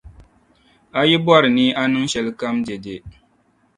A yi bɔri ni a niŋ shɛlikam dɛde.